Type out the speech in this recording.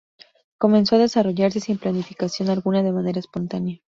Comenzó a desarrollarse, sin planificación alguna, de manera espontánea.